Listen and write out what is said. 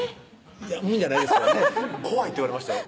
いや「うん」じゃないですよ「怖い」って言われましたよ